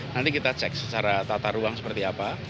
nanti kita cek secara tata ruang seperti apa